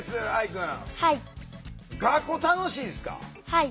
はい。